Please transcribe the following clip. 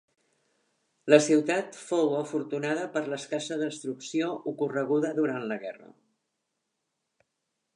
La ciutat fou afortunada per l'escassa destrucció ocorreguda durant la guerra.